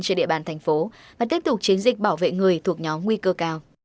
trên địa bàn thành phố và tiếp tục chiến dịch bảo vệ người thuộc nhóm nguy cơ cao